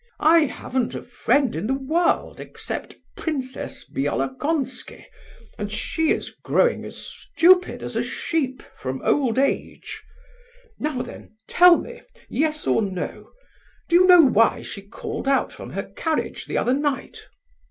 I haven't a friend in the world except Princess Bielokonski, and she is growing as stupid as a sheep from old age. Now then, tell me, yes or no? Do you know why she called out from her carriage the other night?"